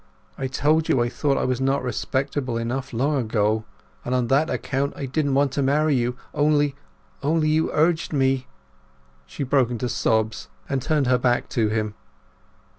I told you I thought I was not respectable enough long ago—and on that account I didn't want to marry you, only—only you urged me!" She broke into sobs, and turned her back to him.